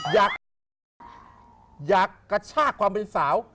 อยากกระชากความเป็นสาว